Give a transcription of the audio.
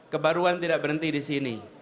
kebaruan tidak berhenti di sini